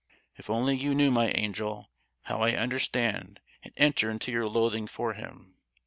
"If only you knew, my angel, how I understand and enter into your loathing for him!